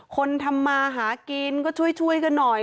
คนทำมาหากินก็ช่วยกันหน่อย